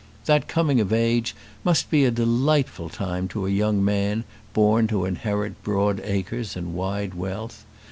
That coming of age must be a delightful time to a young man born to inherit broad acres and wide wealth.